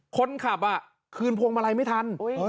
คนขับคืนพวงมาลัยไม่ทันเสยบริเวอร์เลย